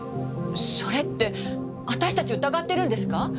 それって私たち疑ってるんですか？